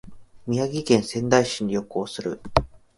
宮城県仙台市に旅行する